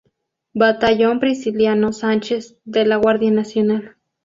Batallón Prisciliano Sánchez de la Guardia Nacional.